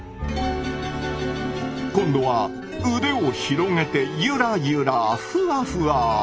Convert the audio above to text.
今度は腕を広げてゆらゆらふわふわ。